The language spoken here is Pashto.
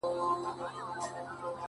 • تا خو لیدې د خزانونو له چپاوه کډي ,